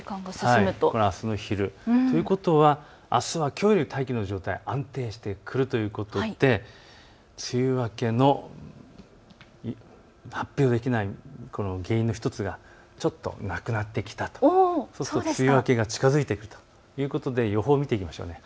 これはあすの昼、ということはあすはきょうより大気の状態、安定してくるということで梅雨明けの発表できない原因の１つがちょっとなくなってきたと、そうすると梅雨明けが近づいてくるということで予報を見ていきましょう。